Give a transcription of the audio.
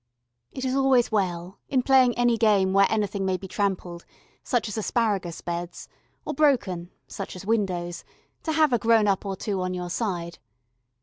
It is always well, in playing any game where anything may be trampled, such as asparagus beds, or broken, such as windows, to have a grown up or two on your side.